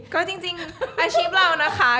ก็จริงอาชีพเรานะคะ